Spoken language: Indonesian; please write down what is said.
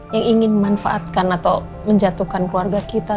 yang ingin memanfaatkan atau menjatuhkan keluarga kita